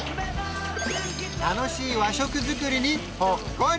楽しい和食作りにほっこり！